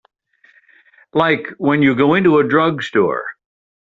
Like when you go into a drugstore.